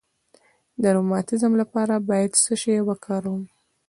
د روماتیزم لپاره باید څه شی وکاروم؟